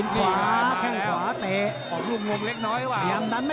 ก๊อโคะออกรุมงงเล็กน้อยครับวะ